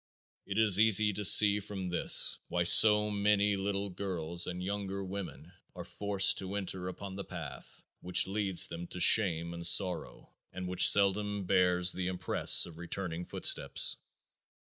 It is easy to see from this why so many little girls and younger women are forced to enter upon the path which leads to shame and sorrow and which seldom bears the impress of returning footsteps.